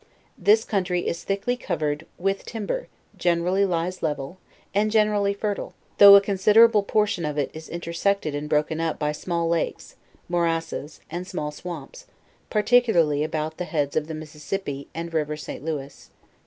This countiy is thickly covered with timber generally; lies level, and generally fertile, though a considerable proportion of it is intersected and brokon up by email lakes, morasses and small swamps, particularly about the heads of the Mississippi and river St. Louis.